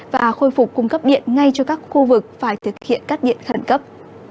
và khôi phục cung cấp điện ngay cho các khu vực phải thực hiện cắt điện khẩn cấp